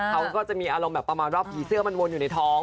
เขาก็จะมีอารมณ์แบบประมาณว่าผีเสื้อมันวนอยู่ในท้อง